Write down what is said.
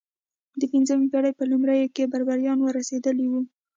د پنځمې پېړۍ په لومړیو کې بربریان ور رسېدلي وو.